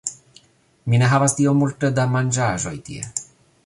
Mi ne havas tiom multe da manĝaĵoj tie